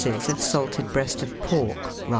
of salted breast of pork, 2 oz.